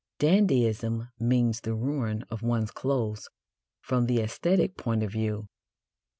Dandyism means the ruin of one's clothes from the æsthetic point of view.